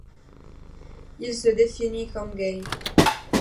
Il se définit comme gay.